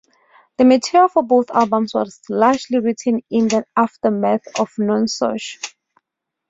The material for both albums was largely written in the aftermath of "Nonsuch".